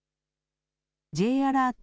Ｊアラート